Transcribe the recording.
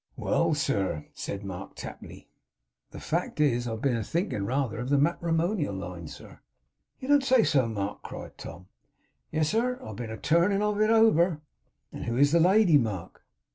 'Well, sir,' said Mr Tapley. 'The fact is, that I have been a thinking rather of the matrimonial line, sir.' 'You don't say so, Mark!' cried Tom. 'Yes, sir. I've been a turnin' of it over.' 'And who is the lady, Mark?